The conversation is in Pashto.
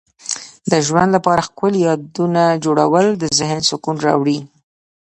د ژوند لپاره ښکلي یادونه جوړول د ذهن سکون راوړي.